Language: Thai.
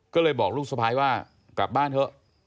ก็เลยบอกลูกสะพ้ายว่ากลับบ้านเถอะ